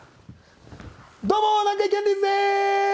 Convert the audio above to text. どうも南海キャンディーズでーす！